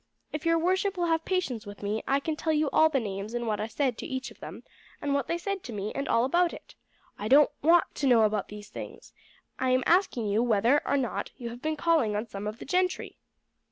If your worship will have patience with me I can tell you all the names and what I said to each of them, and what they said to me, and all about it." "I don't want to know about these things. I am asking you whether you have not been calling on some of the gentry."